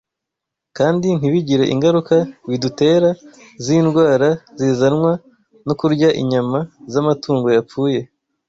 kandi ntibigire ingaruka bidutera z’indwara zizanwa no kurya inyama z’amatungo yapfuye